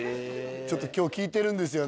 ちょっと今日聞いてるんですよね